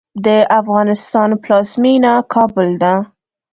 د افغانستان پلازمېنه کابل ده.